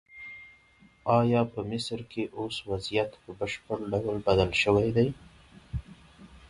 ایا په مصر کې اوس وضعیت په بشپړ ډول بدل شوی دی؟